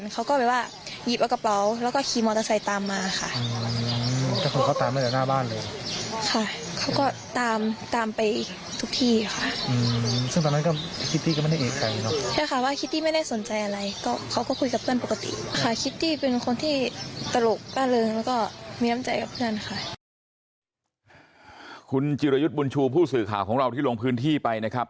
คุณจิรยุทธ์บุญชูผู้สื่อข่าวของเราที่ลงพื้นที่ไปนะครับ